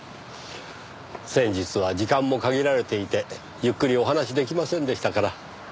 先日は時間も限られていてゆっくりお話し出来ませんでしたから。